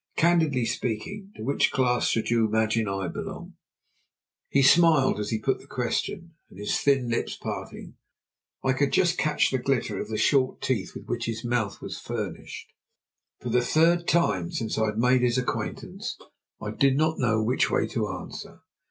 Candidly speaking, to which class should you imagine I belong?" He smiled as he put the question, and, his thin lips parting, I could just catch the glitter of the short teeth with which his mouth was furnished. For the third time since I had made his acquaintance I did not know which way to answer.